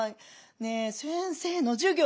ねえ先生の授業